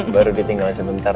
baru ditinggal sebentar